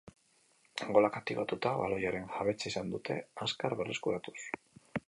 Golak aktibatuta, baloiaren jabetza izan dute, azkar berreskuratuz.